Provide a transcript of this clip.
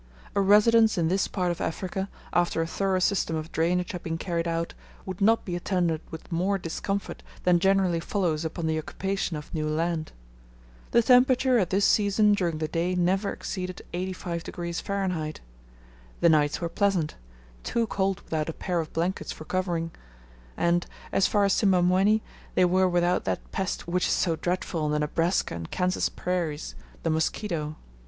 A residence in this part of Africa, after a thorough system of drainage had been carried out, would not be attended with more discomfort than generally follows upon the occupation of new land. The temperature at this season during the day never exceeded 85 degrees Fahrenheit. The nights were pleasant too cold without a pair of blankets for covering; and, as far as Simbamwenni, they were without that pest which is so dreadful on the Nebraska and Kansas prairies, the mosquito.